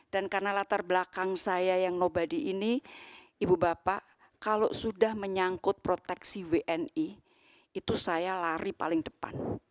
dan karena latar belakang saya yang nobody ini ibu bapak kalau sudah menyangkut proteksi wni itu saya lari paling depan